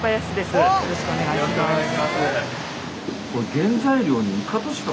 よろしくお願いします。